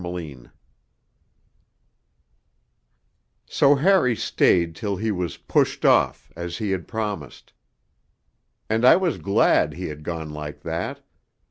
VII So Harry stayed till he was 'pushed' off, as he had promised. And I was glad he had gone like that.